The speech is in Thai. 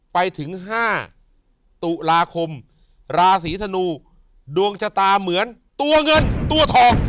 ไปถึง๕ตุลาคมราศีธนูดวงชะตาเหมือนตัวเงินตัวทอง